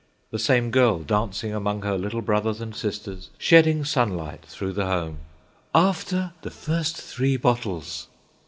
The same girl dancing among her little brothers and sisters, shedding sunlight through the home—"After the three first bottles!"